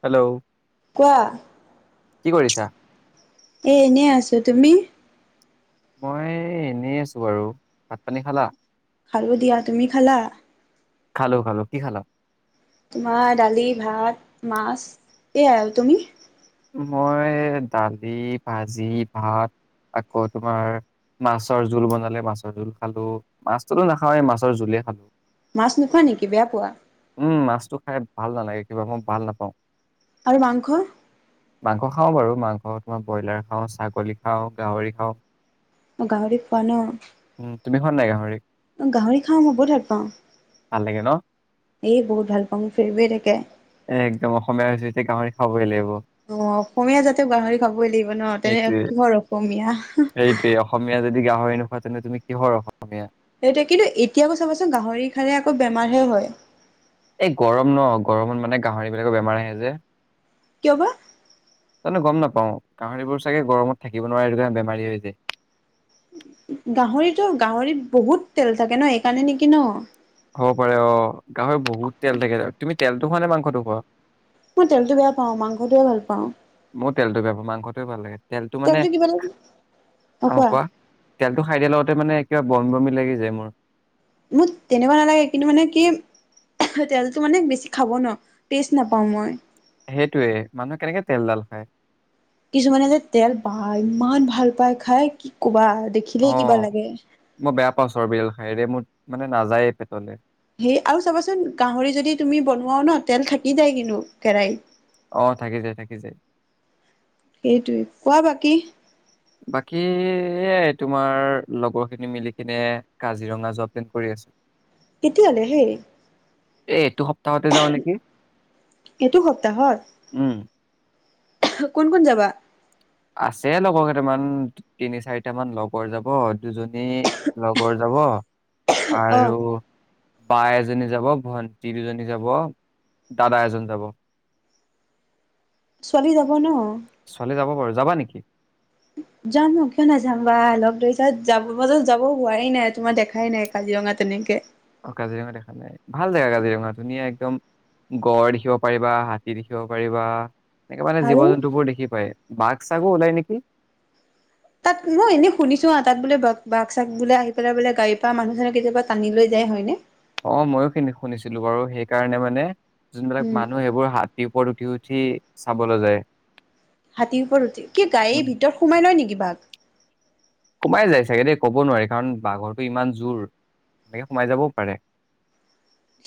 Hello কোৱা কি কৰিছা এ এনে আছো তুমি মই এনেই আছো বাৰু ভাত পানী খালা? খালো দিয়া তুমি খালা খালো খালো কি খালা তোমাৰ দালি ভাত মাছ এয়াই আৰু তুমি মই দালি ভাজি ভাত আকৌ তোমাৰ মাছৰ জোল বনালে মাছৰ জোল খালো মাছটোতো নাখাওঁৱে মাছৰ জোলে খালো মাছ নোখোৱা নেকি বেয়া পোৱা আৰে ভাল নালাগে কিবা মই ভাল নাপাওঁ আৰু মাংস মাংস খাওঁ বাৰু মাংস ত মই ব্ৰইলাৰ খাওঁ ছাগলী খাওঁ গাহৰি খাওঁ গাহৰি খোৱা ন উম তুমি খোৱা নাই গাহৰি গাহৰি খাওঁ মই বহুত ভাল পাওঁ ভাল লাগে ন এই বহুত ভাল পাওঁ মোৰ ফেভৰেট একে এ একদম অসমীয়া হৈছে এতিয়া গাহৰি খাবগৈ লাগিব অ অসমীয়া জাতে গাহৰি খাবই লাগিব ন তেনে সেইটোৱে কিহৰ অসমীয়া সেইটোৱে অসমীয়া যদি গাহৰি নোখোৱা তেনে তুমি কিহৰ অসমীয়া সেইটোৱে কিন্তু এতিয়াবোৰ চাবাচোন গাহৰি খালে আকৌ বেমাৰহে হয় এই গৰম ন গৰমত মানে গাহৰিবলাকৰ বেমাৰ আহে যে কিয় বা যানো গম নাপাও গাহৰিবোৰ চাগে গৰমত থাকিব নোৱাৰে সেইটোকাৰণে বেমাৰী হৈ যায় গাহৰিতো গাহৰিত বহুত তেল থাকে ন এইকাৰণে নেকি ন হ'ব পাৰে অ গাহৰি বহুত তেল থাকে তুমি তেলটো খোৱা নে মাংসটো খোৱা মই তেলটো বেয়া পাওঁ মাংসটোয়ে ভাল পাওঁ মোৰ তেলটো বেয়া পাও মাংসটোৱে ভাল লাগে তেলটো মানে কিবা এটা অ কোৱা তেলটো খাই দিয়া লগতে মানে কিবা বমি বমি লাগি যায় মোৰ মোৰ তেনেকুৱা নালাগে কিন্তু মানে কি তেলটো মানে বেছি খাব ন টেষ্ট নাপাওঁ মই সেইটোয়ে মানুহে কেনেকে তেলডাল খায় কিছুমানে যে তেল বা ইমান ভাল পায় খাই কি ক'বা দেখিলেই অ কিবা লাগে মই বেয়া পাওঁছ আৰু চৰ্বিডাল খাইৰে মোৰ মানে নাযায়ে পেটলে সেই আৰু চাবাচোন গাহৰি যদি তুমি বনোৱাও ন তেল থাকি দায় কিন্তু কেৰাহত আহ থাকি যায় থাকি যায় সেইটোৱে কোৱা বা কি বাকী তোমাৰ লগৰখিনি মিলি কিনে কাজিৰঙা যোৱা প্লেনিং কৰি আছো কেতিয়ালে হেই এ এইটো স তাহতে যাওঁ নেকি এইটো সপ্তাহত উম কোন কোন যাবা আছে লগৰ কেইটামান তিনি চাৰিটামান লগৰ যাব দুজনী লগৰ যাব অ আৰু বা এজনী যাব ভন্টি দুজনী যাব দাদা এজন যাব ছোৱালী যাব ন ছোৱালী যাব যাবা নেকি যাম কিয় নাযাম বা অলপ দেৰি তাত যাব মাজত যাব হোৱাই নাই তোমাৰ দেখাই নাই কাজিৰঙা তেনেকে অ কাজিৰঙা দেখা নাই ভাল জেগা কাজিৰঙা ধুনীয়া একদম গড় দেখিব পাৰিবা হাতী দেখিব পাৰিবা এনেকে মানে আৰু জীৱ জন্তুবোৰ দেখি পায় বাঘ চাগো ওলাই নেকি তাত মই এনেই শুনিছো তাত বোলে বাঘ চাগ বোলে আহিপেলাই বোলে গাড়ীৰ পৰা মানুহ চানো কেতিয়াবা টানি লৈ যায় হয় নে অ ময়ো খিনি শুনিছিলো বাৰু সেইকাৰণে মানে যোনবিলাক উম মানুহ সেইবোৰ হাতীৰ ওপৰত উঠি উঠ উঠি চাবলৈ যায় হাতীৰ উঠি কি গাড়ী উম ভিতৰত সোমাই লয় নেকি বাঘ সোমাই যায় চাগে দেই ক'ব নোৱাৰি কাৰণ বাঘৰটো ইমান জোৰ এনেকে সোমাই যাবও পাৰে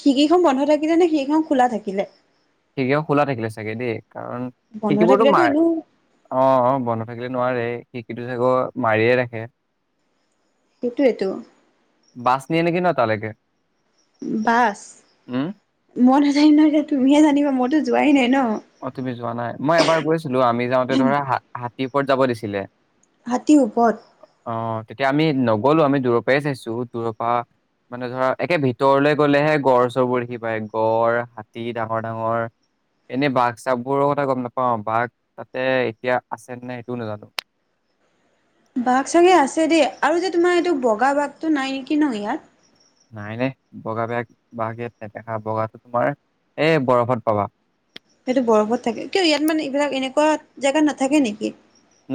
খিৰিকীখন বন্ধ থাকিলে নে খিৰিকীখন খোলা থাকিলে খিৰিকীখন খোলা থাকিলে চাগে দেই কাৰণ বন্ধ শিকিবতো থাকিলেতো মাৰে এনেও অ অ বন্ধ থাকিলে নোৱাৰে খিকি চাকৌ মাৰিয়ে ৰাখে সেইটোয়েতো বাছ ন নেকি ন তালৈকে বাচ উম মই নাজানিম ন এতিয়া তুমিয়ে জানিবা ম যোৱাই নাই ন অ তুমি যোৱা নাই মই এবাৰ গৈছিলো আমি যাওঁতে ধৰা তাত টিপত যাব দিছিলে হাতী ওপৰত অ তেতিয়া আমি নগলো। আমি দূুৰৰ পাই চাইছো। দূৰৰ পা মানে ধৰা একে ভিতৰলে গলেহে গড় চৰবোৰ দেখি পায় গঁড়, হাতী ডাঙৰ ডাঙৰ এনে বাঘ চাঘ বোৰৰ কথা গম নাপাও। বাঘ তাতে এতিয়া আছে নে সেইটোও নাজানো। বাঘ চাগে আছে দেই আৰু যে তোমাৰ এইটো বগা বাঘটো নাই নেকি ন ইয়াত? নাই নাই। বগা বেগ- বাঘ ইয়াত নেদেখা বগাটো তোমাৰ এই বৰফত পাবা। সেইটো বৰফত থাকে। কিয় ইয়াত মানে ইবিলাক এনেকুৱা জাগাত নাথাকে নেকি?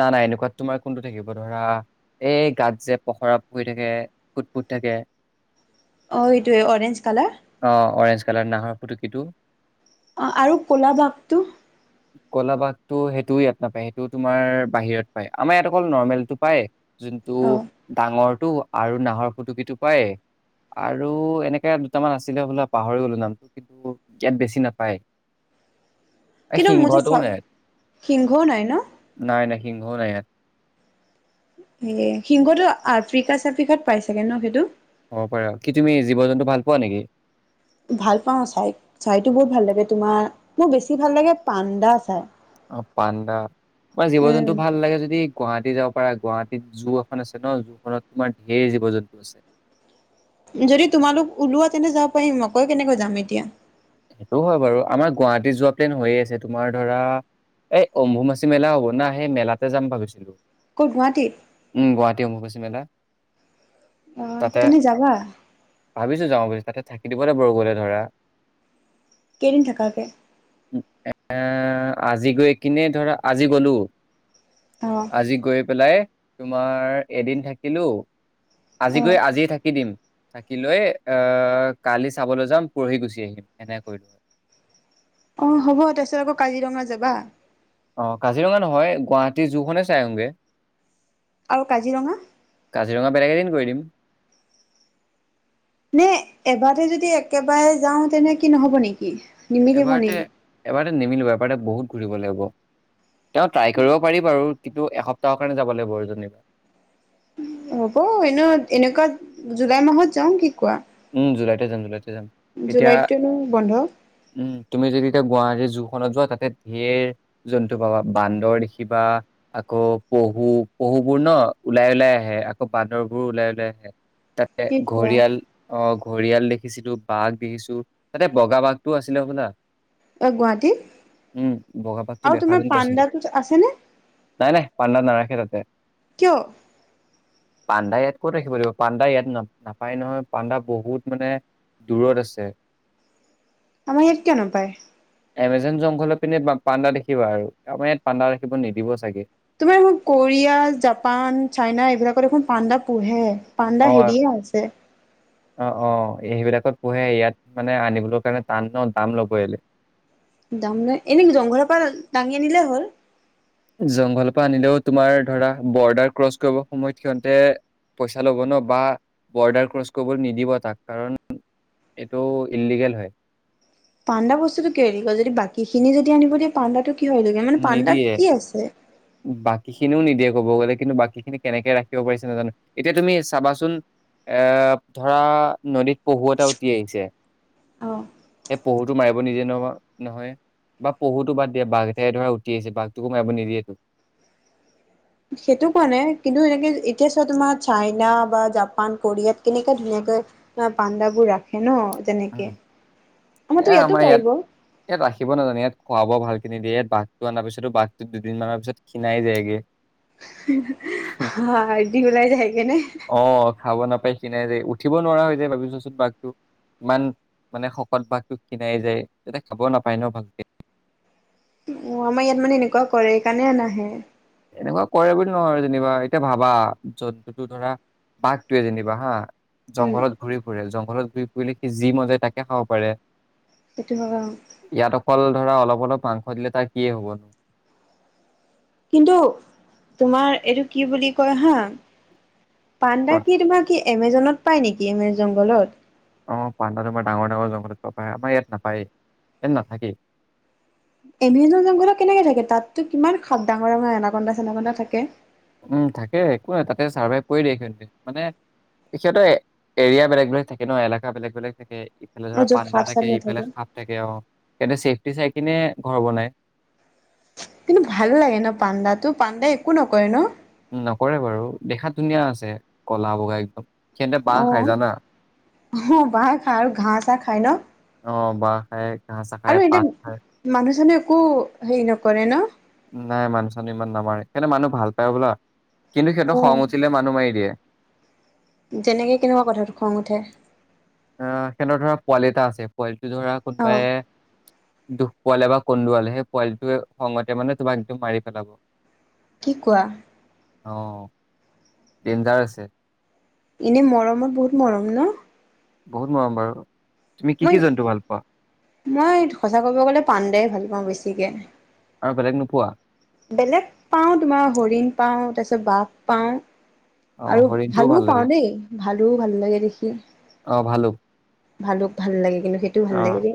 না না এনেকুৱাত তোমাৰ কোনটো থাকিব ধৰা এই গাত যে পখৰা পৰি থাকে ফুট ফুট থাকে। অ এইটোৱে অৰেঞ্জ কালাৰ। অ অৰেঞ্জ কালাৰ নাহৰ ফুটুকীটো অ' আৰু ক'লা বাঘটো ক'লা বাঘটো সেইটোও ইয়াত নাপায় সেইটো তুম মাৰ বাহিৰত পায়। আমাৰ ইয়াত অকল নৰ্মেল টো পায়। যোনটো অ ডাঙৰ টো আৰু নাহৰ ফুটুকীটো পায় আৰু এনেকে দুটামান আছিলে বোলে পাহৰি গলো নাম কিন্তু ইয়াত বেছি নাপায়। এই কিন্তু মোৰ যে সিংহটোও চ নাই সিংহও নাই ন? নাই নাই সিংহও নাই ইয়াত। এ সিংহটো আফ্ৰিকা চাফ্ৰিকাত পাই চাগে ন সেইটো? হ'ব পাৰে। কি তুমি জীৱ জন্তু ভাল পোৱা নেকি? ভাল পাওঁ চাই। চাইতো বহুত ভাল লাগে তোমাৰ মোৰ বেছি ভাল লাগে পাণ্ডা চাই। অ পাণ্ডা। তোমাৰ জীৱ উম জন্তু ভাল লাগে যদি গুৱাহাটী যাওক পাৰা। গুৱাহাটীত জু এখন আছে ন জু খনত তোমাৰ ধেৰ জীৱ জন্তু আছে। যদি তোমালোক ওলোৱা তেন্তে যাব পাৰিম অকলে কেনেকৈ যাম এতিয়া। সেইটো হয় বাৰু আমাৰ গুৱাহাটী যোৱা প্লেন হৈয়ে আছে তোমাৰ ধৰা এই অম্ভুমাচি মেলা হ'ব না সেই মেলাতে যাম ভাবিছিলো। ক'ত গুৱাহাটীত [unintelligible] মেলা অ' তেনে যাবা [unintelligible] যাওঁগৈ তাতে থাকি দিবলৈ [unintelligible] গ'লে ধৰা। কেইদিন থাকাকে? উম এ - এ আজি গৈ কিনে ধৰা আজি গলো অ আজি গৈ পেলাই তোমাৰ এদিন থাকিলো অ আজি গৈ আজিয়ে থাকি দিম। থাকি লৈ অ কালি চাবলৈ যাম পৰহি গুচি আহিম। [unintelligible] অ হ'ব। তাৰপিছত আকৌ কাজিৰঙা যাবা? অ' কাজিৰঙা নহয় গুৱাহাটীৰ জুখনে চাই আহুংগে। আৰু কাজিৰঙা? কাজিৰঙা বেলেগ এদিন কৰি দিম। নে এবাৰ তে যদি একেবাৰে যাওঁ তেনে কি নহব নেকি? নিমিলিব এবাৰতে- নেকি এবাৰতে নিমিলিব। এবাৰতে বহুত ঘুৰিব লাগিব। তেও ট্ৰাই কৰিব পাৰিব বাৰু কিন্তু এসপ্তাহৰ কাৰণে যাব লাগিব আৰু যেনেও। হ'ব এনেও এনেকুৱা জুলাই মাহত যাওঁ। কি কোৱা? উম ', জুলাইতে যাম জুলাই জুলাইতটোনো বন্ধ উম তুমি যদি এতিয়া গুৱাহাটী জুখনত যোৱা তাতে ঢেৰ জন্তু পাবা বান্দৰ দেখিবা আকৌ পহু পহুবোৰ ন ওলাই -ওলাই আহে আকৌ বান্দৰবোৰ ওলাই -ওলাই আহে। তাতে কি কোৱা ঘৰিয়াল অ ', ঘৰিয়াল দেখিছিলো বাঘ দেখিছো তাতে বগা বাঘ টো আছিলে শুনা অ গুৱাহাটী উম', বগা বাগটো আৰু দেখা তোমাৰ যেন পাইছিলো পাণ্ডাটোত আছেনে নাই -নাই পাণ্ডা নাৰাখে তাতে। কিয় পাণ্ডা ইয়াত ক'ত ৰাখিব লাগিব পাণ্ডা ইয়াত ন', নাপায় নহয়? পাণ্ডা বহুত মানে দূৰত আছে। আমাৰ ইয়াত কিয় নোপায়? এমেজন জংঘলৰ পিনে পাণ্ডা দেখিবা আৰু আমাৰ ইয়াত পাণ্ডা ৰাখিব নিদিব চাগে। তোমাৰ এইখন কোৰিয়া জাপান চাইনা এইবিলাকত দেখোন পাণ্ডা পোহে। পাণ্ডা অ হেৰিয়ে আছে অ অ সেইবিলাকত পুহে ইয়াত মানে আনিবলৈ কাৰণে টান ন দাম ল'ব এলে। দাম নাই এনেক জংঘলৰ পৰা দাঙি আনিলে হ'ল। জংঘলৰ পৰা আনিলেও তোমাৰ ধৰা বৰ্ডাৰ ক্ৰছ কৰিব সময়ত সিহঁতে পইচা ল'ব ন বা বৰ্ডাৰ ক্ৰচ কৰিবলৈ নিদিব তাক কাৰণ এইটো ইললিগেল হয়। পাণ্ডা বস্তুটো কি হেৰি কয় যদি বাকী খিনি যদি আনিব দিয়া পাণ্ডাটো কি হৈ থগে মানে পাণ্ডাত কি আছে? খিনিও নিদিয়ে ক'ব গ'লে কিন্তু বাকী খিনি কেনেকে ৰাখিব পাৰিছে নাজানো। এতিয়া তুমি চাবাচোন এ ধৰা নদীত পহু এটা উঠি আহিছে অ সে পহুটো মাৰিব নিদিয়ে নহয় ন', নহয় বা পহুটো বাদ দিয়ে বাঘ ফেৰ ধৰা উঠি আহিছে বাঘটোকো মাৰিব নিদিয়েতো। সেইটো কোৱা নাই কিন্তু এনেকে এতিয়া চোৱা তোমাৰ চাইনা বা জাপান কোৰিয়াত কেনেকে ধুনীয়াকে পাণ্ডাবোৰ ৰাখে ন', । তেনেকে, উম। আমাৰতো ইয়াতো পাৰিব। থাকিব নাজানে ইয়াত খোৱাব ভালখিনি দিয়ে ইয়াত বাঘটো অনাৰ পিছতো বাঘটো দুদিনমানৰ পিছত খীনাই যায়গে। হাৰ্ডি ওলাই যায় গেনে? পাই কিনোই যে উঠিব নোৱাৰা হৈ যায় ভাবিছচোন বাঘটো। ইমান মানে শকত বাাঘটো ক্ষিনাই ন যায় যাতে খাব নাপায় ন ভালকে। অ', আমাৰ ইয়াত মানে এনেকুৱা কৰে সেইকাৰণে নাহে। এনেকুৱা কৰে বুলি নহয় যেনিবা এতিয়া ভাবা জন্তুটো ধৰা বাঘটোৱে যেনিবা হা', উম জংঘলত ঘূৰি ফুৰেল জংঘলত ঘূৰি কৰিলে সি যি মন যায় তাকে খাব পাৰে। সেইটো হয় কল ধৰা অলপ- অলপ মাংস দিলে তাৰ কি হ'বনো কিন্তু তোমাৰ এইটো কি বুলি কয় হা', পাণ্ডা ক'ত কি তোমাৰ কি এমেজনত পায় নেকি এমেজংঘলত? অ ', পাণ্ড তোমাৰ ডাঙৰ -ডাঙৰ জংঘলত পায়, আমাৰ ইয়াত নাপায় ইয়াত নাথাকেই। এমজনজংঘলত কেনেকে থাকে তাততো কিমান খাত ডাঙৰ -ডাঙৰ এনাকণ্ডা সেনাকণ্ডা থাকে। উম', থাকে একো নাই তাতে চাৰ্ভাইভ কৰি দিয় সিহঁত মানে সিহঁতে এৰিয়া বেলেগ -বেলেগ থাকে ন এলেকা বেলেগ- বেলেগ থাকে। ইফালে আৰু য'ত পনাণ্ডা সাপ চাপ থাকে ইফালে নাথাকে খাপ থাকে অঁহ এতে চেফটি চাই কিনে ঘৰ বনাই কিন্তু ভাল লাগে ন পাণ্ডাতো পাণ্ডা একো নকয় ন নকৰে বাৰু দেখাত ধুনীয়া আছে ক'লা বগা একদম সেতে বাঁহ খাই জানা অঁ বাঁহে খাই আৰু ঘাঁ চাহ খাই ন অঁ বাঁহ খায় আৰু এতিয়া মানুহজনে একো হেৰি নকৰে ন নাই মানুহ চানো ইমান নামাৰে সেতে মানুহ ভাল পায় বোলা কিন্তূ সিহঁতৰ খং উঠিলে মানুহ মাৰি দিয়ে যেনেকৈ কেনেকুৱা কথাটোত খং উঠে অঁ সেঁতৰ ধৰা পোৱালি এটা আছে পোৱালি ধৰা অ কোনোবাই দুখ পোৱালে বা কন্দুৱালে সেই পোৱালিটোৱে খংতে মানে তোমাক একদম মাৰি পেলাব কি কোৱা অঁ ডেঞজাৰ আছে এনে মৰমৰ বহুত মৰম ন বহুত মৰম বাৰু তুমি কি মই কি জন্তু ভাল পোৱা মই সঁচা ক গ'লে পাণ্ডাৰ ভাল পাঁও মই বেছিকৈ আৰু বেলেগ নোপোৱা বেলেগ পাওঁ তোমাৰ হৰিণ পাওঁ তাৰপিছত বাঘ পাওঁ অ আৰু হৰিণটোও ভালো ভাল পাওঁ লাগে দেই ভালো ভাল লাগে দেখি অ ভালুক ভালোক ভাল লাগে কিন্তু সেইটো ভাল অ লাগে দ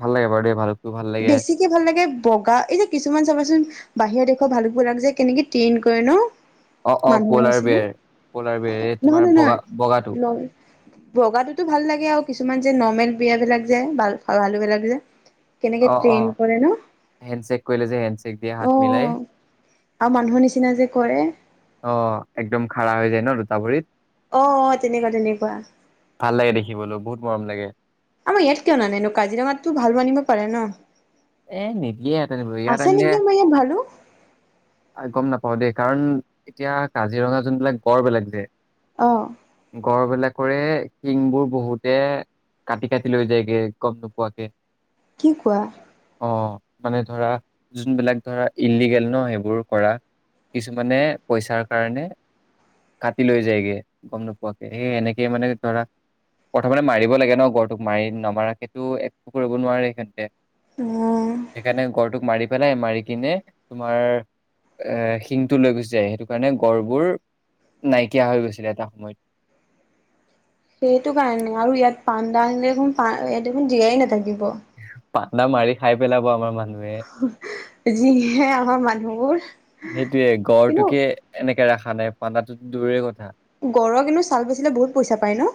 ভাল লাগে বাৰু দেই ভালুকটো ভাল লাগে বেছিকে ভাল লাগে বগা এই যে কিছুমান চাবচোন বাহিৰৰ দেশৰ ভালিব লাগে যে কেনেকে ট্ৰেইন কৰে ন অঁ অঁ মানুহৰ পলাৰ নিচিনা বেৰ পলাৰ বেৰ এই তোমাৰ বগা বগাটো ভগাটোতো ভাল লাগে আৰু কিছুমান যে নৰ্মেল বিয়াবিলাক যে ভাল ভালুবিলাক যে কেনেকে অঁ ট্ৰেইন অঁ কৰে ন হেডশ্বেক কৰিলে যে হেডশ্বেক দিয়া অ হাত মিলাই আৰু মানুহৰ নিচিনা যে কৰে অ একদম খাৰা হৈ যায় ন তাভৰিত অ তেনেকুৱা তেনেকুৱা ভাল লাগে দেখিবলৈ বহুত মৰম লাগে আমাৰ ইয়াত কিয় নানেনো কাজিৰঙাতো ভালো আনিব পাৰে ন এ নিদিয়ে ইয়াত আনিবলে এয়াত আছে আনিলে নেকি আমাৰ ইয়াত ভালু গম নাপ অঁ দেই কাৰণ এতিয়া কাজিৰঙা জোনবিলাক গড় বেলেগ যে অঁ গ়ডবিলাকৰে শিংবোৰ বহুতে কাটি কাটি লৈ যায়গে গম নোপোৱাকে কি কোৱা? অ মানে ধৰা যোনবিলাক ধৰা ইলিগেল ন' সেইবোৰ কৰা কিছুমানে পইচাৰ কাৰণে কাটি লৈ যায়গে গম নোপোৱাকে সেই সেনেকে মানে ধৰা প্ৰথমে মাৰিব লাগে ন গড়টোক মাৰি নমৰাকে টো সেইটো একো কৰিব, নোৱাৰে সিহঁতে অ সেইকাৰণে গড়টোক মাৰি পেলাই মাৰি কিনে তোমাৰ এ শিংটো লৈ গুচি যায়। সেইটো কাৰণে গড়বোৰ নাইকিয়া হৈ গৈছিল এটা সময়ত। সেইটো কাৰণে আৰু ইয়াত পাণ্ডা আনিলে দেখোন পাণ্ডা ইয়াত দেখোন জীয়াই নাথাকিব। পাণ্ডা মাৰি খাই পেলাব আমাৰ মানুহে। [inaudible] যিহে আমাৰ মানুহবোৰ। সেইটোয়ে কিন্তু গড়টোকে এনেকে ৰাখা নাই পানণ্ডাটো দূৰৰে কথা। গড়ৰ কিন্তু ছাল বেচিলে বহুত পইচা পায় ন'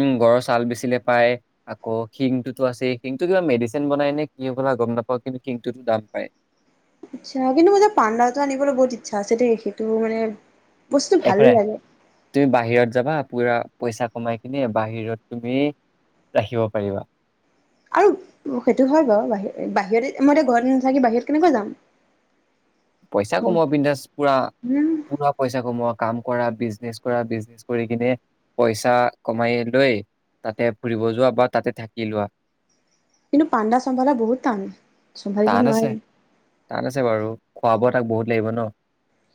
উম গড়ৰ ছাল বেচিলে পায় আকৌ শিংটোতো আছে শিংটো কিবা মেডিচিন বনাই নে কি হ'বলা গম নাপাওঁ কিন্তু শিংটোতো দাম পায়। আচ্ছা কিন্তু মই যে পাণ্ডাটো আনিবলৈ বহুত ইচ্ছা আছে দেই সেইটো মানে বস্তুটো ভাল একো নাই লাগে তুমি বাহিৰত যাবা পোৰা পইচা কমাই কিনে বাহিৰত তুমি ৰাখিব পাৰিবা। আৰু সেইটো হয় বাৰু বাহিৰ বাহিৰতে মই এতিয়া ঘৰত নাথাকি বাহিৰত কেনেকৈ যাম। পইচা কমোৱা বিন্দাছ পুৰা- উম পুৰা পইচা কমোৱা কাম কৰা বিজনেছ কৰা বিজনেছ কৰি কিনে পইচা কমাই লৈ তাতে ফুৰিব যোৱা বা তাতে থাকি লোৱা। কিন্তু পাণ্ডা চম্ভালা বহুত টান। চম্ভালিব টান আছে নোৱাৰি। টান আছে বাৰু। খোৱা বোৱা তাক বহুত লাগিব ন'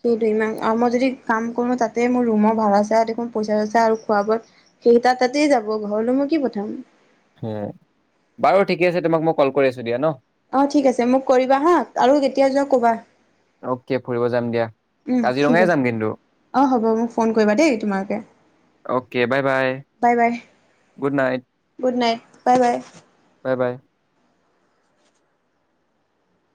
সেইটোয়ে ইমান আৰু মই যদি কাম কৰো তাতে মোৰ ৰুমৰ ভাড়া চা দেখোন পইচা চইচা আৰু খোৱা বোৱাত সেই টা তাতেই যাব ঘৰলৈ মই কি পঠাম! সেইয়া বাৰু ঠিকে আছে তোমাক মই কল কৰি আছো দিয়া ন। অ' ঠিক আছে মোক কৰিবা হা আৰু কেতিয়া যোৱা কবা। অ'কে ফুৰিব যাম দিয়া উম ঠিক কাজিৰঙাই আছে যাম কিন্তু অ' হ'ব মোক ফোন কৰিবা দেই তোমালোকে okay bye bye bye bye good night good night. Bye -bye bye - বাই।